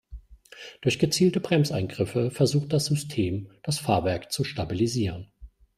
Durch gezielte Bremseingriffe versucht das System, das Fahrwerk zu stabilisieren.